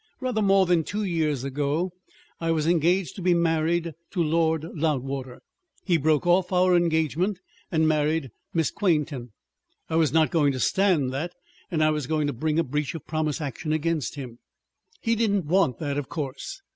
"Rather more than two years ago I was engaged to be married to Lord Loudwater. He broke off our engagement and married Miss Quainton. I was not going to stand that, and I was going to bring a breach of promise action against him. He didn't want that, of course.